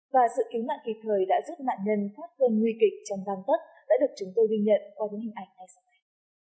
và sự cứu nạn kịp thời đã giúp nạn nhân phát cơn nguy kịch trong tăng tốc đã được chúng tôi ghi nhận qua những hình ảnh ngay sau đây